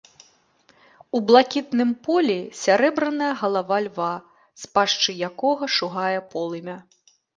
У блакітным полі сярэбраная галава льва, з пашчы якога шугае полымя.